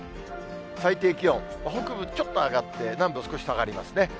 最低気温、北部、ちょっと上がって、南部少し下がりますね。